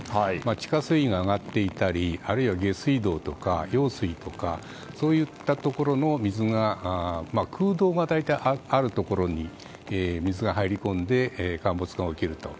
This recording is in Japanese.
地下水が上がっていたりあるいは下水道とか用水とかそういったところの水が空洞が大体あるところに水が入り込んで陥没が起きると。